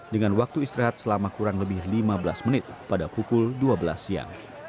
dengan waktu istirahat selama kurang lebih lima belas menit pada pukul dua belas siang